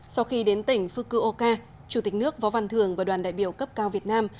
sau khi đến tỉnh fukuoka chủ tịch nước võ văn thường và đoàn đại biểu cấp cao việt nam